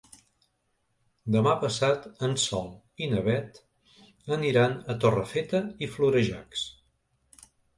Demà passat en Sol i na Beth aniran a Torrefeta i Florejacs.